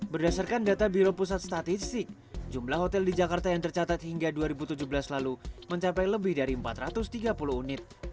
berdasarkan data biro pusat statistik jumlah hotel di jakarta yang tercatat hingga dua ribu tujuh belas lalu mencapai lebih dari empat ratus tiga puluh unit